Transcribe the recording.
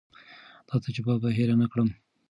دا تجربه به هېر نه کړم.